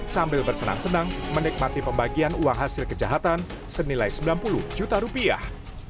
sambil bersenang senang menikmati pembagian uang hasil kejahatan senilai sembilan puluh juta rupiah